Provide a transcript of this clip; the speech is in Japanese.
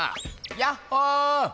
やっほ！